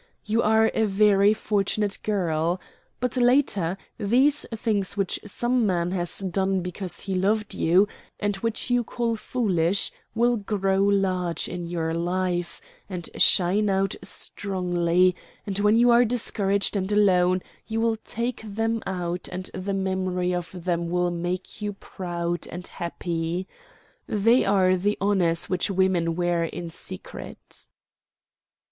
You are a very fortunate girl. But later, these things which some man has done because he loved you, and which you call foolish, will grow large in your life, and shine out strongly, and when you are discouraged and alone, you will take them out, and the memory of them will make you proud and happy. They are the honors which women wear in secret."